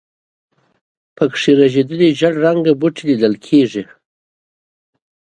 په کې رژېدلي زېړ رنګه بوټي لیدل کېږي.